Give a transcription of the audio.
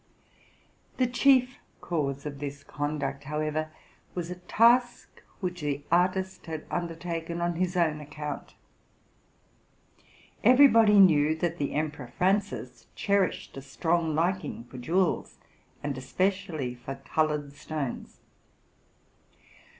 126 TRUTH. AND FICTION The chief cause of this conduct, however, was a task which the artist had undertaken on his own account. Every body knew that the Emperor Francis cherished a strong lik ing for jewels, and especially for colored stones.